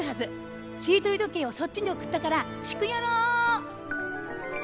しりとりどけいをそっちにおくったからシクヨロ！